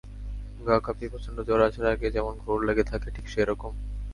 গা কাঁপিয়ে প্রচণ্ড জ্বর আসার আগে যেমন ঘোর লেগে থাকে, ঠিক সে-রকম।